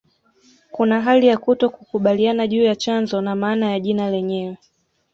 Kuna hali ya kutokukubaliana juu ya chanzo na maana ya jina lenyewe